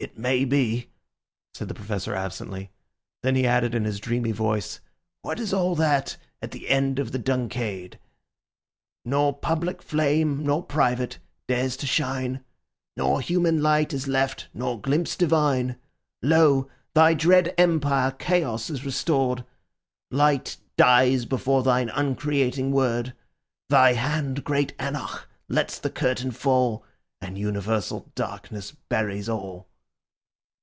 "It may be," said the Professor absently. Then he added in his dreamy voice, "What is all that at the end of the 'Dunciad'? 'Nor public flame; nor private, dares to shine; Nor human light is left, nor glimpse divine! Lo! thy dread Empire, Chaos, is restored; Light dies before thine uncreating word: Thy hand, great Anarch, lets the curtain fall; And universal darkness buries all.